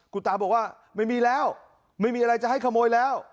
คุณตาบอกว่าไม่มีแล้วไม่มีอะไรจะให้ขโมยแล้ว